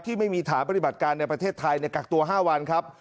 ไม่มีฐานปฏิบัติการในประเทศไทยในกักตัว๕วันครับ